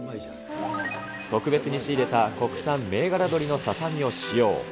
特別に仕入れた国産銘柄鶏のささみを使用。